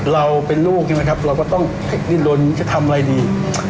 เราเป็นลูกใช่ไหมครับเราก็ต้องดิ้นลนจะทำอะไรดี